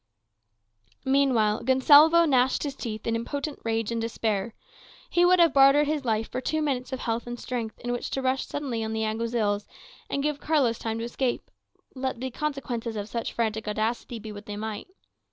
Meanwhile Gonsalvo gnashed his teeth in impotent rage and despair. He would have bartered his life for two minutes of health and strength in which to rush suddenly on the Alguazils, and give Carlos time to escape, let the consequences of such frantic audacity be what they might.